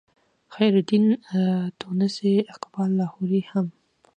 خیرالدین تونسي اقبال لاهوري هم